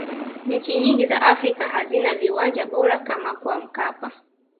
nchi nyingi za afrika hazina viwanja bora kama kwa mkapa